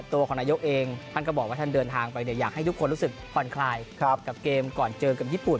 ตัวของนายกเองท่านก็บอกว่าท่านเดินทางไปเนี่ยอยากให้ทุกคนรู้สึกผ่อนคลายกับเกมก่อนเจอกับญี่ปุ่น